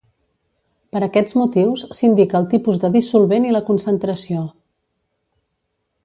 Per aquests motius s'indica el tipus de dissolvent i la concentració.